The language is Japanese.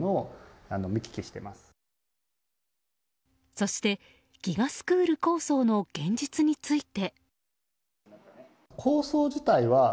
そしてＧＩＧＡスクール構想の現実について。